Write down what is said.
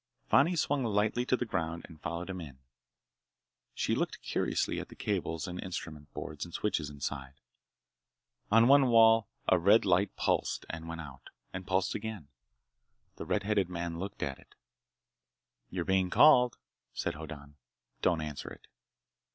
Fani swung lightly to the ground and followed him in. She looked curiously at the cables and instrument boards and switches inside. On one wall a red light pulsed, and went out, and pulsed again. The red headed man looked at it. "You're being called," said Hoddan. "Don't answer it."